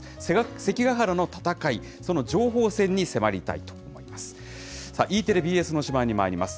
関ヶ原の戦い、その情報戦に迫りたいと思います。